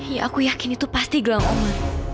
ya aku yakin itu pasti gelang umur